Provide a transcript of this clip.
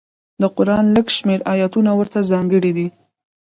د قران لږ شمېر ایتونه ورته ځانګړي دي.